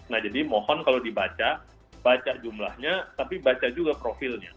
nah jadi mohon kalau dibaca baca jumlahnya tapi baca juga profilnya